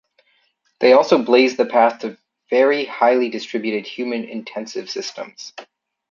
They also blazed the path to very highly distributed human intensive systems.